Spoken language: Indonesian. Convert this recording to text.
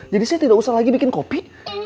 jadi saya tidak usah lagi bikin kopi